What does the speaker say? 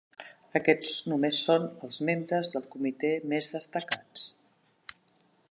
Aquests només són els membres del comitè més destacats.